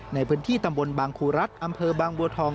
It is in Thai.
ในพื้นที่ตำบลบางครูรัฐอำเภอบางบัวทอง